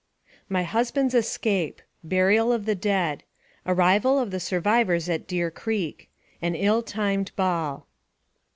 MY HUSBAND'S ESCAPE BURIAL OF THE DEAD ARRIVAL OP THE SURVIVORS AT DEER CHEEK AN ILL TIMED BALL.